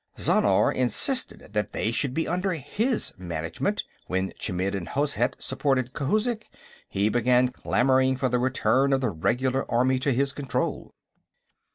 Zhannar insisted that they should be under his Management; when Chmidd and Hozhet supported Khouzhik, he began clamoring for the return of the regular army to his control.